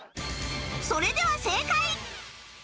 それでは正解